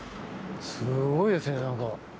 すごいですね、なんか。